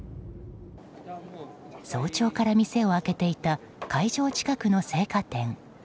早朝から店を開けていた会場近くの生花店。